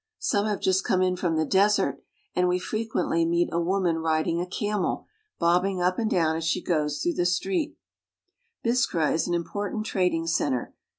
Some have just come in from the desert, and „we frequently rii'i4 woman ridins,^ :i :me\, bobbing up ^flnd down as she k*" '^ l^rough the street. Biskra is an impor tant trading center.